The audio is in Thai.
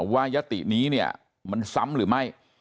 ยตินี้เนี่ยมันซ้ำหรือไม่